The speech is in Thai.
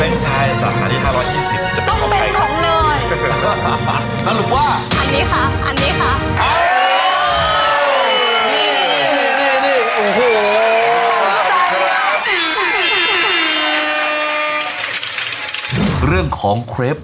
ไม่เอาตรงครับ